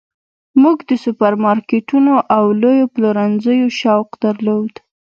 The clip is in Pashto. موږ د سوپرمارکیټونو او لویو پلورنځیو شوق درلود